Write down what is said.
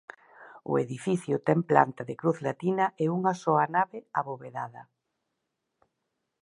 O edificio ten planta de cruz latina e unha soa nave abovedada.